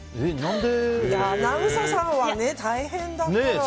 アナウンサーさんは大変だから。